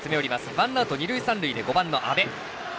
ワンアウト、二塁三塁で５番の阿部。